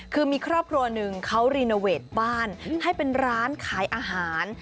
คือมีครอบครัวหนึ่งเขารีโนเวทบ้านให้เป็นร้านขายอาหาร